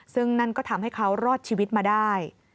ซึ่งนั่นก็ทำให้เขารอดชีวิตมาได้